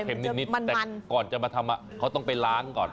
มันจะเข็มนิดนิดมันมันแต่ก่อนจะมาทำเขาต้องไปล้านก่อน